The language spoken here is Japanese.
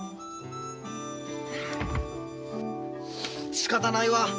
しかたないわ。